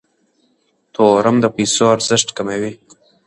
تورم د پیسو ارزښت کموي.